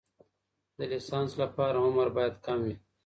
د لیسانس لپاره عمر باید کم وي.